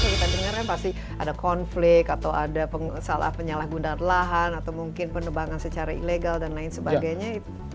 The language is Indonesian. kita dengar kan pasti ada konflik atau ada penyalahgunaan lahan atau mungkin penebangan secara ilegal dan lain sebagainya